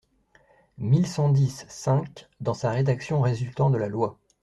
mille cent dix-cinq, dans sa rédaction résultant de la loi.